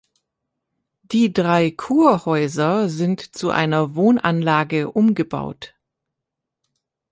Die drei Kurhäuser sind zu einer Wohnanlage umgebaut.